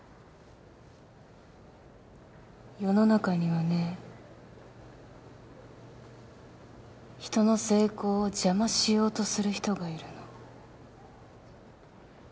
世の中にはね人の成功を邪魔しようとする人がいるの。